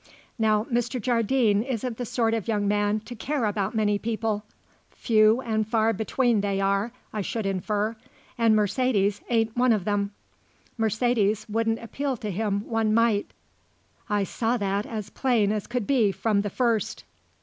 Now Mr. Jardine isn't the sort of young man to care about many people; few and far between they are, I should infer, and Mercedes ain't one of them. Mercedes wouldn't appeal to him one mite. I saw that as plain as could be from the first."